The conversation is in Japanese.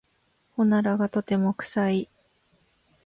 おならがとても臭い。